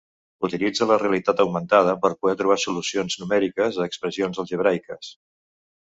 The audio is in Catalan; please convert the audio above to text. Utilitza la realitat augmentada per poder trobar solucions numèriques a expressions algebraiques.